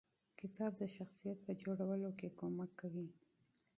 کتاب د شخصیت په جوړولو کې مرسته کوي.